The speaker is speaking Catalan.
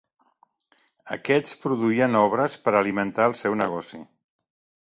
Aquests produïen obres per alimentar el seu negoci.